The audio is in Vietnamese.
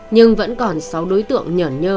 nhưng vẫn còn sáu đối tượng nhởn nhơ